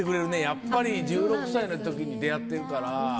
やっぱり１６歳の時に出会ってるから。